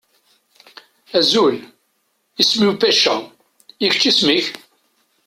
Azul! Isem-iw Pecca. I kečč, isem-ik?